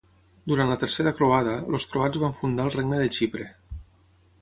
Durant la tercera croada, els croats van fundar el Regne de Xipre.